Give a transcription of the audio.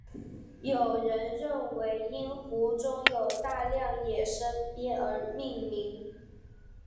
有人认为因湖中有大量野生鳖而命名。